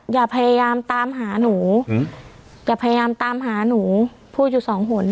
อย่าพยายามตามหาหนูอย่าพยายามตามหาหนูพูดอยู่สองหน